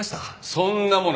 そんなもの